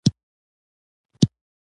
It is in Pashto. نجلۍ د سحر رڼا ده.